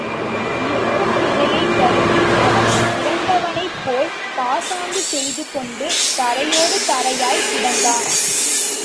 இருக்கும் நிலையைக் கருதி, அவன் இறந்தவனைப் போல் பாசாங்கு செய்து கொண்டு தரையோடு தரையாய்க் கிடந்தான்.